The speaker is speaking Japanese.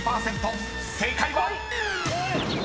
正解は⁉］